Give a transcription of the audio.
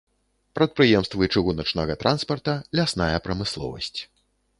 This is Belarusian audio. Прадпрыемствы чыгуначнага транспарта, лясная прамысловасць.